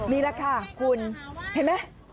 นี่แหละค่ะคุณเห็นไหม